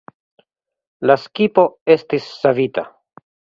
La skipo estis savita.